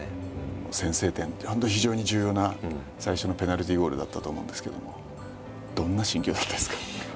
先制点っていう本当に非常に重要な最初のペナルティーゴールだったと思うんですけどもどんな心境だったんですか？